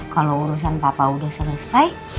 kalau urusan papa udah selesai